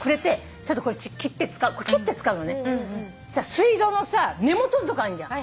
水道のさ根元のとこあるじゃん。